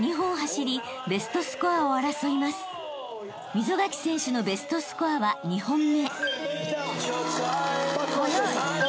［溝垣選手のベストスコアは２本目］